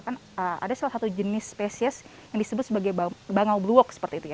kan ada salah satu jenis spesies yang disebut sebagai bangau blue walk seperti itu ya